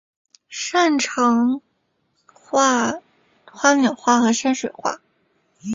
擅长画花鸟画和山水画。